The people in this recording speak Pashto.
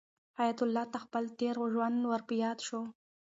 حیات الله ته خپل تېر ژوند ور په یاد شو.